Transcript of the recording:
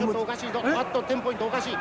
テンポイントおかしい。